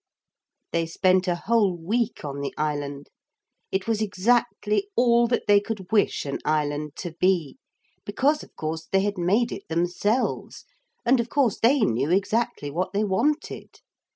They spent a whole week on the island. It was exactly all that they could wish an island to be; because, of course, they had made it themselves, and of course they knew exactly what they wanted.